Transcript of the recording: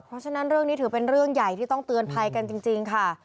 เพราะฉะนั้นเรื่องนี้ถือเป็นเรื่องใหญ่ที่ต้องเตือนภัยกันจริงค่ะ